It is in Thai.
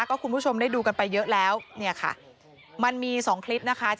ก็คุณผู้ชมได้ดูกันไปเยอะแล้วมันมี๒คลิปนะคะ